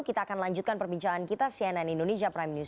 kita akan lanjutkan perbincangan kita cnn indonesia prime news